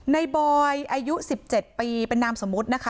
ในบอย์อายุสิบเจ็ดปีเป็นนำนามสมมุตินะคะ